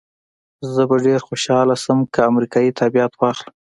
زه به ډېره خوشحاله شم که امریکایي تابعیت واخلم.